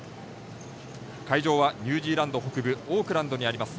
会場はニュージーランド北部オークランドにあります